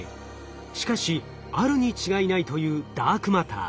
しかしあるに違いないというダークマター。